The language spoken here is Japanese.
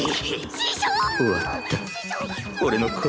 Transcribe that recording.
師匠！